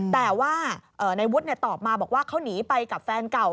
แต่ว่าในวุฒิตอบมาบอกว่าเขาหนีไปกับแฟนเก่า